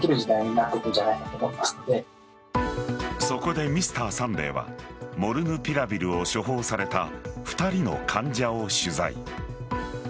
そこで「Ｍｒ．サンデー」はモルヌピラビルを処方された２人の患者を取材。